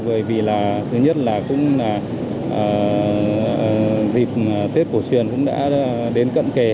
bởi vì là thứ nhất là cũng là dịp tết cổ truyền cũng đã đến cận kề